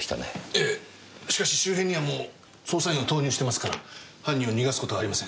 ええしかし周辺にはもう捜査員を投入してますから犯人を逃がすことはありません。